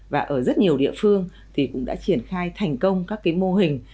và ở rất nhiều địa phương cũng đã triển khai thành công các mô hình